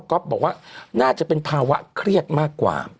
บอกว่าน่าจะเป็นภาวะเครียดมากกว่า